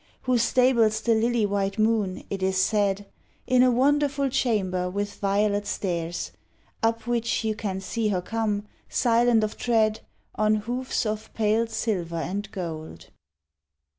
Who stables the lily white moon, it is said, In a wonderful chamber with violet stairs, Up which you can see her come, silent of tread, On hoofs of pale silver and gold.